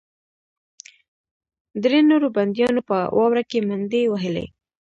درې نورو بندیانو په واوره کې منډې وهلې